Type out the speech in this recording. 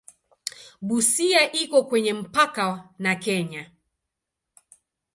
Busia iko kwenye mpaka na Kenya.